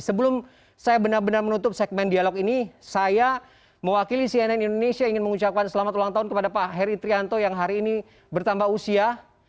sebelum saya benar benar menutup segmen dialog ini saya mewakili cnn indonesia ingin mengucapkan selamat ulang tahun kepada pak heri trianto yang hari ini bertambah usia